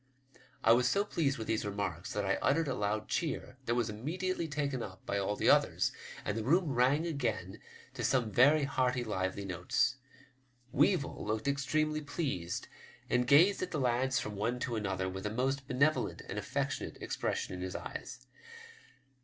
I was so pleased with these remarks that I uttered a loud cheer, that was immediately taken up by all the others, and the room rang again to some very hearty, lively notes. Weevil looked extremely pleased, and gazed at the lads from one to another with a 'most benevolent and affectionate expression in his eyes.